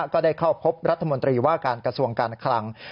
ก็ได้เข้าพบรัฐมนตรีว่าการกระทรวงการคลัง